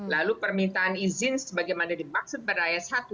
lalu permintaan izin sebagaimana dimaksud pada ayat satu